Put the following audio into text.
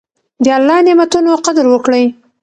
د الله نعمتونو قدر وکړئ.